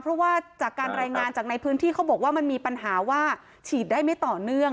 เพราะว่าจากการรายงานจากในพื้นที่เขาบอกว่ามันมีปัญหาว่าฉีดได้ไม่ต่อเนื่อง